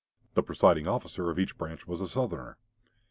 The presiding officer of each branch was a Southerner.